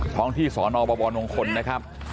พร้อมที่ศนบมงคลนะครับ